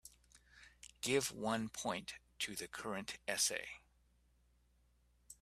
Give one point to the current essay.